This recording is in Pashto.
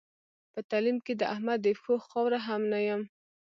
په تعلیم کې د احمد د پښو خاوره هم نه یم.